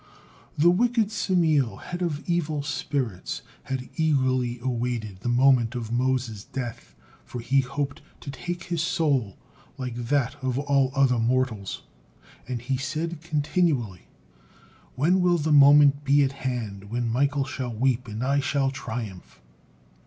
The wicked Samael, head of evil spirits, had eagerly awaited the moment of Moses' death, for he hoped to take his soul like that of all other mortals, and he said continually, "When will the moment be at hand when Michael shall weep and I shall triumph?"